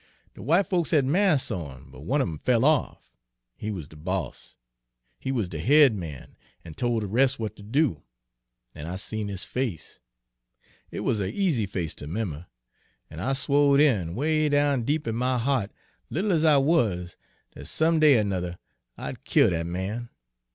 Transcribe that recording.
De w'ite folks had masks on, but one of 'em fell off, he wuz de boss, he wuz de head man, an' tol' de res' w'at ter do, an' I seen his face. It wuz a easy face ter 'member; an' I swo' den, 'way down deep in my hea't, little ez I wuz, dat some day er 'nother I'd kill dat man.